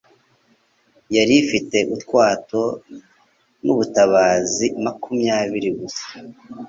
Yari ifite utwato tw'ubutabazi makumyabiri gusa,